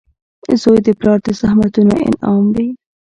• زوی د پلار د زحمتونو انعام وي.